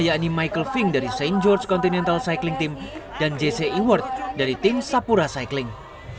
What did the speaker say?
yakni michael fink dari st george continental cycling team dan jc eward dari tim sapura cycling